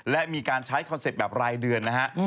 และมีการใช้คอนเซ็ปต์แบบรายเดือนนะฮะ